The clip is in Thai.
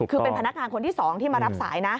คือเป็นพนักงานคนที่๒ที่มารับสายนะ